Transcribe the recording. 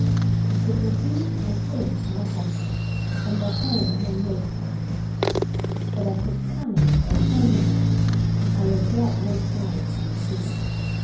It will be, I think, my husband, and the home he'll make for me; But of his coming or home making, I as yet no signs do see.